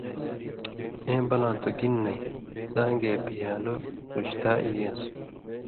اېں بنا تُھو: گِن نَیں! زاں گے بِھیان٘لو رُشتا ای یان٘س